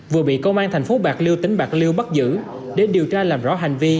vừa bị công an thành phố bạc liêu tỉnh bạc liêu bắt giữ để điều tra làm rõ hành vi